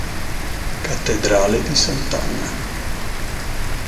Cattedrale di Sant'Anna